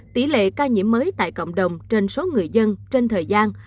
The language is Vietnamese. tỷ lệ ca nhiễm mới tại cộng đồng trên số người dân trên thời gian